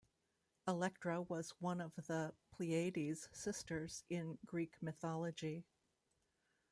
Electra was one of the Pleiades sisters in Greek mythology.